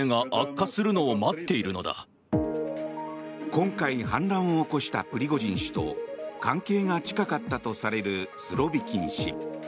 今回反乱を起こしたプリゴジン氏と関係が近かったとされるスロビキン氏。